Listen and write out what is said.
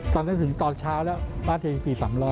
ตอนได้ถึงตอนเช้าแล้วมาที่ปีศำล้อ